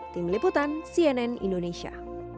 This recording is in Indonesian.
tim liputan cnn indonesia